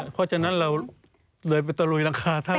เพราะฉะนั้นเราเลยไปตะลุยหลังคาท่าน